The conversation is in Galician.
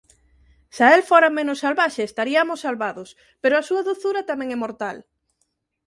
Se el fora menos salvaxe estariamos salvados! Pero a súa dozura tamén é mortal.